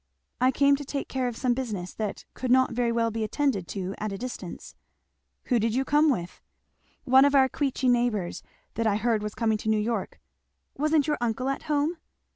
"I came to take care of some business that could not very well be attended to at a distance." "Who did you come with?" "One of our Queechy neighbours that I heard was coming to New York." "Wasn't your uncle at home?"